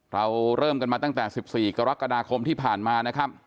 เราเริ่มกันมาตั้งแต่๑๔กรกฎาคมที่ผ่านมานะครับ